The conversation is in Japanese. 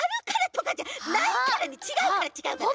ちがうからちがうから！